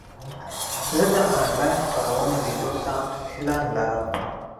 زه د انلاین خپرونو لیدو ته میلان لرم.